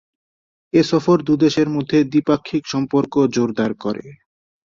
এ সফর দু’দেশের মধ্যে দ্বিপাক্ষিক সম্পর্ক জোরদার করে।